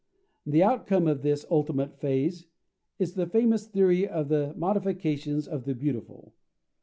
The outcome of this ultimate phase is the famous theory of the Modifications of the Beautiful.